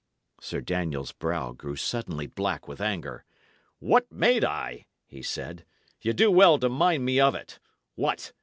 Sir Daniel's brow grew suddenly black with anger. "What made I?" he said. "Ye do well to mind me of it! What?